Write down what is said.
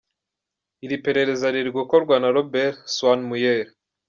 Iri perereza riri gukorwa na Robert Swan Mueller.